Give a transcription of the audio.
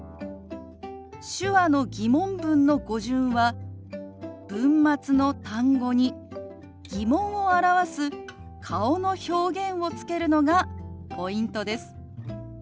手話の疑問文の語順は文末の単語に疑問を表す顔の表現をつけるのがポイントです。